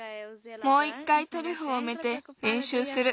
もういっかいトリュフをうめてれんしゅうする。